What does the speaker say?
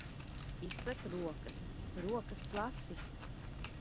Izplet rokas. Rokas plati!